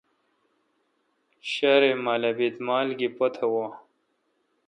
ݭارے مالبیت مال گی پت واں۔